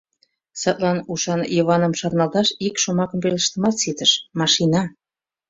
Садлан ушан Йываным шарналташ ик шомакым пелештымат ситыш: машина.